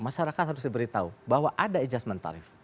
masyarakat harus diberitahu bahwa ada adjustment tarif